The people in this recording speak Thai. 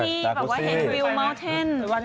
อย่างว่าเห็นวิวเมาเทน